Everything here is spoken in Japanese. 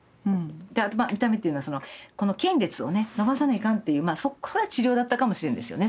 見た目っていうのはこの瞼裂をね伸ばさないかんっていうこれは治療だったかもしれんですよね